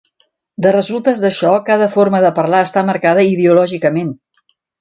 De resultes d'això, cada forma de parlar està marcada ideològicament.